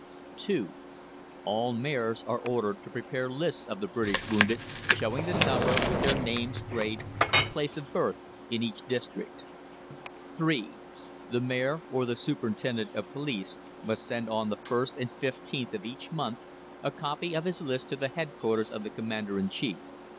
(2) All mayors are ordered to prepare lists of the British wounded, showing the number, with their names, grade, and place of birth in each district. (3) The mayor, or the superintendent of police, must send on the 1st and 15th of each month a copy of his lists to the headquarters of the Commander in Chief.